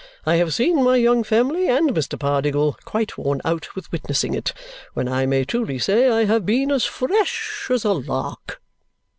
I have seen my young family, and Mr. Pardiggle, quite worn out with witnessing it, when I may truly say I have been as fresh as a lark!"